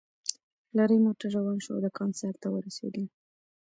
لارۍ موټر روان شو او د کان سر ته ورسېدل